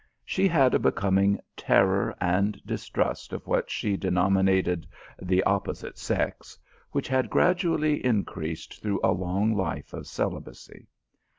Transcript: She had a becoming ter ror and distrust of what she denominated " the op posite sex," which had gradually increased through a long life of celibacy.